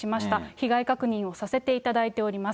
被害確認をさせていただいていております。